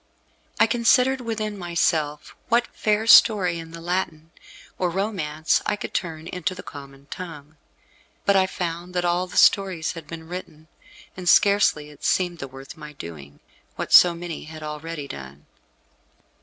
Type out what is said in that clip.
I considered within myself what fair story in the Latin or Romance I could turn into the common tongue. But I found that all the stories had been written, and scarcely it seemed the worth my doing, what so many had already done.